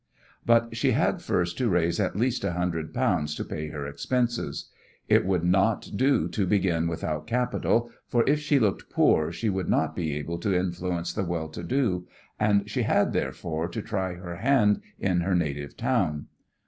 But she had first to raise at least a hundred pounds to pay her expenses. It would not do to begin without capital, for if she looked poor she would not be able to influence the well to do, and she had, therefore, to try her hand in her native town.